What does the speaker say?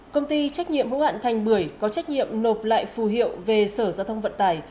công ty trách nhiệm hữu hạn thành bưởi có trách nhiệm nộp lại phù hiệu về sở giao thông vận tải